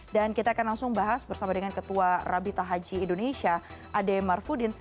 dan kita akan langsung bahas bersama dengan ketua rabita haji indonesia ade marfudin